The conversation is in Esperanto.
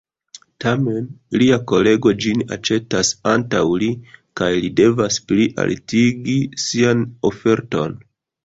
Tamen, lia kolego ĝin aĉetas antaŭ li, kaj li devas plialtigi sian oferton.